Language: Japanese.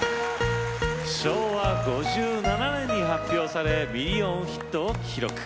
昭和５７年に発表されミリオンヒットを記録。